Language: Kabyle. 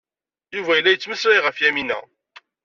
Yuba yella yettmeslay ɣef Yamina.